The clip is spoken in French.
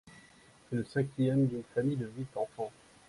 C'est le cinquième d'une famille de huit enfants.